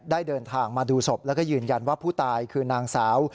เดินทางมาดูศพแล้วก็ยืนยันว่าผู้ตายคือนางสาว